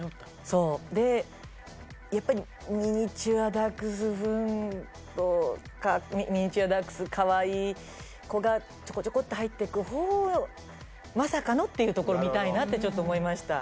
そうでやっぱりミニチュアダックスフンドミニチュアダックスカワイイ子がちょこちょこっと入っていく方まさかのっていうところ見たいなってちょっと思いました